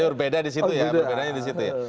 jadi berbeda di situ ya